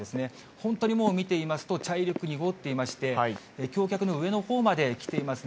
本当にもう見ていますと、茶色く濁っていまして、橋脚の上のほうまで来ていますね。